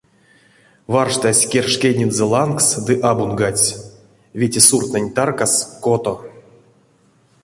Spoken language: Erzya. Варштась керш кедензэ лангс ды абунгадсь: вете суртнэнь таркас — кото.